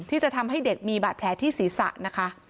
ที่จะทำให้เด็กมีบาดแผลที่ศีรษะนะคะ